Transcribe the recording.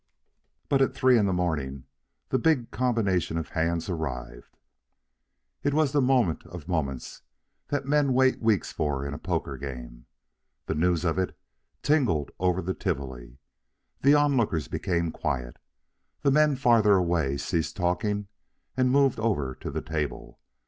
But at three in the morning the big combination of hands arrived. It was the moment of moments that men wait weeks for in a poker game. The news of it tingled over the Tivoli. The onlookers became quiet. The men farther away ceased talking and moved over to the table.